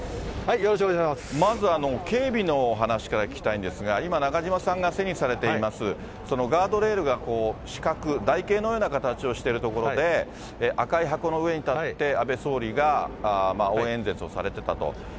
まず、警備のお話から聞きたいんですが、今、中島さんが背にされています、ガードレールが四角、台形のような形をしている所で、赤い箱の上に立って、安倍総理が応援演説をされてたと。